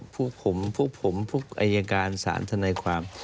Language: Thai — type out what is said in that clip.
พวกผมพวกผมพวกอายการศาลทนายความ